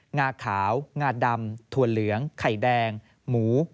งาขาวงาดำถั่วเหลืองไข่แดงหมู